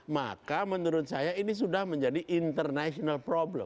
maka menurut saya ini sudah menjadi problem internasional